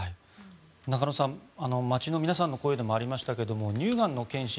中野さん、街の皆さんの声でもありましたが乳がんの検診